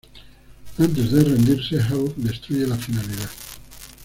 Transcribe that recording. Antes de rendirse, Havok destruye la Finalidad.